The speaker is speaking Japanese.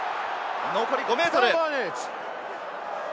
残り５ｍ。